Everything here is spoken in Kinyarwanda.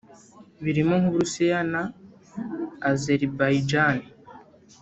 birimo nk’u Burusiya na Azerbaijan